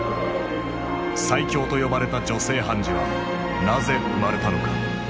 最強と呼ばれた女性判事はなぜ生まれたのか。